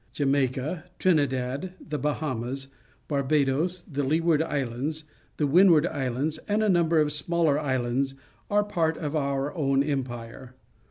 Jamaica, Trinidad, the Bahamas, Barbados, the LeeioarTr^Tsla »(7s, the Wind ward Islands, and a number of smaller islands are part of our own Empire.